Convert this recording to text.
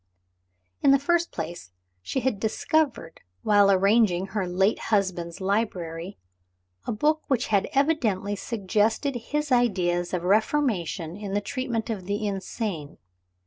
In the first place she had discovered, while arranging her late husband's library, a book which had evidently suggested his ideas of reformation in the treatment of the insane.